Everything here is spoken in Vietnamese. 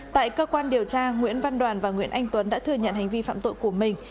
tại cơ quan điều tra nguyễn văn đoàn và nguyễn anh tuấn đã thừa nhận hành vi phạm tội của mình